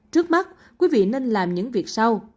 trước mắt quý vị nên làm những việc sau